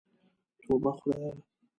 توبه خدايه.